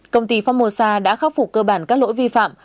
công ty phong mô sa đã khắc phục cơ bản các lỗi vi phạm